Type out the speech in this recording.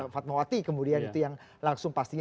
fatmawati kemudian itu yang langsung pastinya